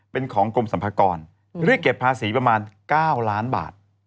เป็นของกรมสรรพากรเรียกเก็บภาษีประมาณ๙ล้านบาท